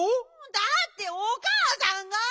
だっておかあさんが！